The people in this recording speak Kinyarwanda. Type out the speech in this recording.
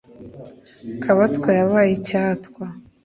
kabatwa yabaye icyatwa